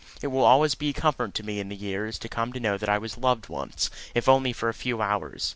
It will always be a comfort to me in the years to come to know that I was loved once, if only for a few hours.